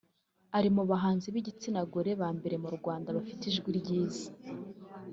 ari mu bahanzi b’igitsinagore ba mbere mu Rwanda bafite ijwi ryiza